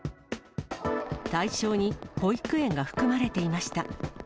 対象に保育園が含まれていました。